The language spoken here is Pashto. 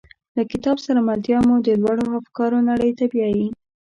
له کتاب سره ملتیا مو د لوړو افکارو نړۍ ته بیایي.